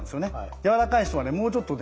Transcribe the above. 柔らかい人はもうちょっとね